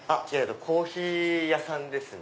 コーヒー屋さんですね。